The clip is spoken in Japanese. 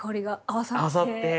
合わさって。